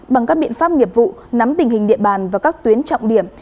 bằng các biện pháp nghiệp vụ nắm tình hình địa bàn và các tuyến trọng điểm